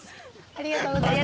ありがとうございます。